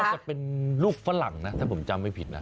จะเป็นลูกฝรั่งนะถ้าผมจำไม่ผิดนะ